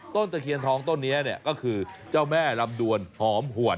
ตะเคียนทองต้นนี้ก็คือเจ้าแม่ลำดวนหอมหวน